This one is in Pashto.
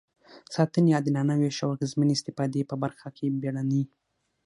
ساتنې، عادلانه وېش او اغېزمنې استفادې په برخه کې بیړني.